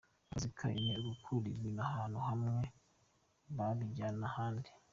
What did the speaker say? Akazi kayo ni ugukura ibintu ahantu hamwe babijyana ahandi.